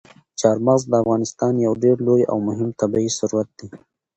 چار مغز د افغانستان یو ډېر لوی او مهم طبعي ثروت دی.